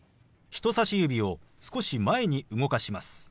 人さし指を少し前に動かします。